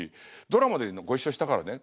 ドラマでご一緒したからね